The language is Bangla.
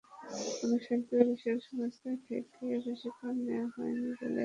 কোনো সরকারি-বেসরকারি সংস্থা থেকে প্রশিক্ষণ দেওয়া হয়নি বলে চাষিরা অভিযোগ করেছেন।